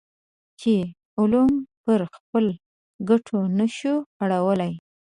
چې علوم پر خپلو ګټو نه شو اړولی.